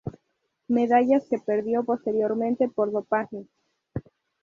Medallas que perdió posteriormente por dopaje.